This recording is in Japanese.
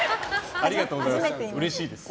ありがとうございます。